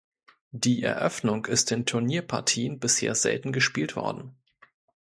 Die Eröffnung ist in Turnierpartien bisher selten gespielt worden.